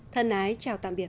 thân ái chào tạm biệt